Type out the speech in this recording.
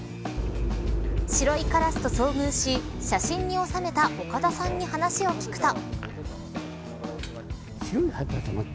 白いカラスと遭遇し写真に収めた岡田さんに話を聞くと。